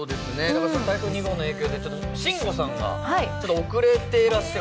台風２号の影響で慎吾さんがちょっと遅れてらっしゃる。